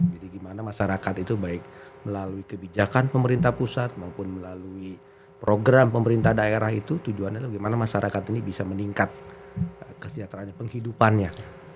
jadi gimana masyarakat itu baik melalui kebijakan pemerintah pusat maupun melalui program pemerintah daerah itu tujuannya adalah gimana masyarakat ini bisa meningkat kesejahteraannya penghidupannya